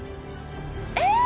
えっ！